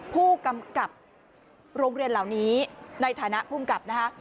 ผู้กำกับโรงเรียนเหล่านี้ในฐานะภูมิกับนะคะ